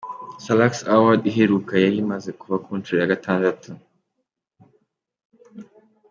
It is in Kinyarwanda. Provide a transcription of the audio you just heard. Salax Award iheruka yari imaze kuba ku nshuro ya gatandatu.